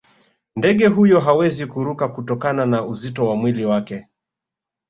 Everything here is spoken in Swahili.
ndege huyo hawezi kuruka kutokana na uzito wa mwili wake